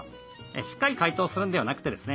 しっかり解凍するんではなくてですね